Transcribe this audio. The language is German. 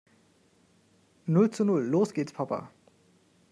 Null zu Null. Los gehts Papa.